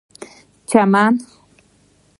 چمن